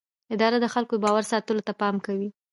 اداره د خلکو د باور ساتلو ته پام کوي.